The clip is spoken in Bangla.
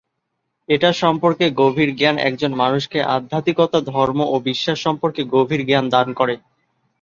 এটা সম্পর্কে গভীর জ্ঞান একজন মানুষকে আধ্যাত্মিকতা, ধর্ম ও বিশ্বাস সম্পর্কে গভীর জ্ঞান দান করে।